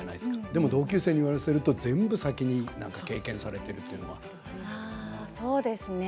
でも同級生に言わせると全部先に経験されているというのは。